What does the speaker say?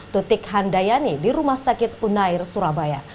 tutik handayani di rumah sakit unair surabaya